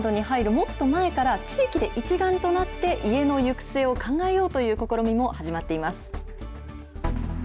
もっと前から、地域で一丸となって、家の行く末を考えようという試みも始まっています。